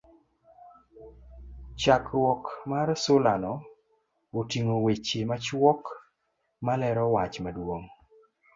chakruok mar sulano otingo weche machuok ma lero wach maduong'